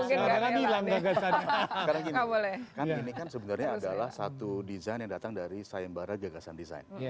ini kan sebenarnya adalah satu desain yang datang dari sayembara gagasan design